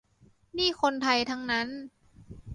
นี่คนไทยทั้งนั้น